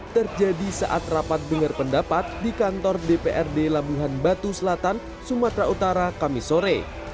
terjadi saat rapat dengar pendapat di kantor dprd labuhan batu selatan sumatera utara kamisore